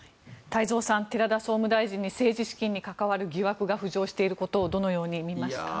太蔵さん、寺田総務大臣に政治資金に関わる疑惑が浮上していることをどのように見ますか。